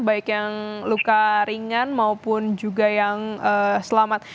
baik yang luka ringan maupun juga yang selamat